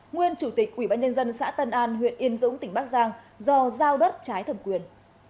nguyên chủ tịch quỹ bãi nhân dân xã tân an huyện yên dũng tỉnh bắc giang do giao đất trái thẩm quyền